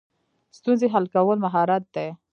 ستونزې حل کول مهارت دی